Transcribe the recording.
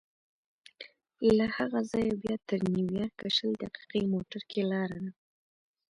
له هغه ځایه بیا تر نیویارکه شل دقیقې موټر کې لاره ده.